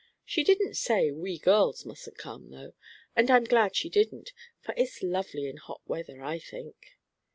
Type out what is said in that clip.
She didn't say we girls mustn't come, though, and I'm glad she didn't; for it's lovely in hot weather, I think."